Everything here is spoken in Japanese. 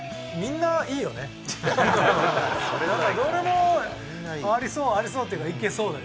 なんかどれもありそうありそうっていうかいけそうだよね。